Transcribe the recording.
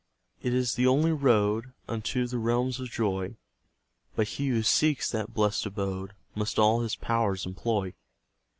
It is the only road Unto the realms of joy; But he who seeks that blest abode Must all his powers employ.